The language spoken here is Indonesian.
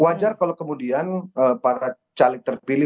wajar kalau kemudian para caleg terpilih